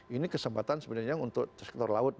ini kesempatan sebenarnya untuk sektor laut